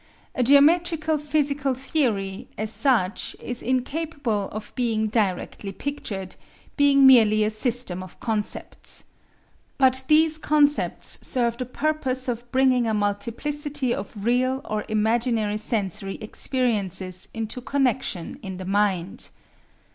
A geometrical physical theory as such is incapable of being directly pictured, being merely a system of concepts. But these concepts serve the purpose of bringing a multiplicity of real or imaginary sensory experiences into connection in the mind.